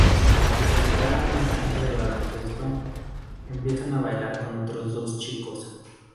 Tras llegar a una cancha de baloncesto, empieza a bailar con otros dos chicos.